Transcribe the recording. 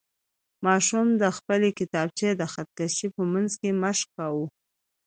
ماشوم د خپلې کتابچې د خط کشۍ په منځ کې مشق کاوه.